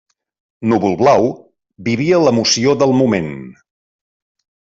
Núvol-Blau vivia l'emoció del moment.